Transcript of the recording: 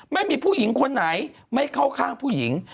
ไม่มีผู้หญิงคนไหนไม่เข้าข้างผู้หญิง